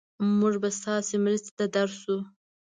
مونږ به ستاسو مرستې ته درشو.